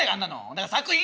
だから作品。